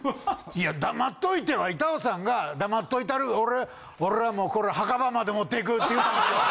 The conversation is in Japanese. いや黙っといては板尾さんが「黙っといたる俺俺はもうこれ墓場まで持って行く」って言ったんすよ。